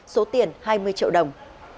số tiền hai mươi triệu đồng